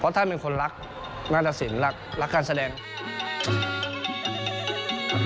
เพราะท่านเป็นคนรักหน้าศิลป์รักการเสด็จ